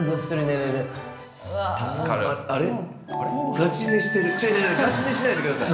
ガチ寝しないでください。